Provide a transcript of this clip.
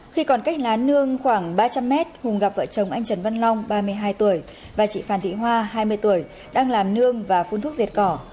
khi còn cách lá nương khoảng ba trăm linh mét hùng gặp vợ chồng anh trần văn long ba mươi hai tuổi và chị phan thị hoa hai mươi tuổi đang làm nương và phun thuốc diệt cỏ